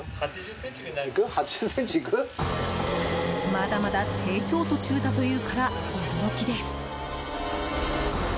まだまだ成長途中だというから驚きです。